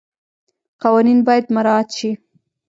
قوانین باید مراعات شي.